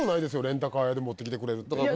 レンタカー屋で持ってきてくれるって。